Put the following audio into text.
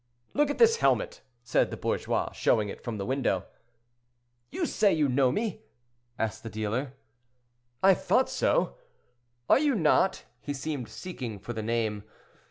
"Look at this helmet," said the bourgeois, showing it from the window. "You say you know me?" asked the dealer. "I thought so. Are you not—" he seemed seeking for the name.